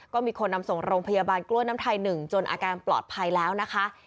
ก็มีคนนำส่งโรงพยาบาลกล้วยน้ำไทย๑จนอาการปลอดภัยแล้วนะคะ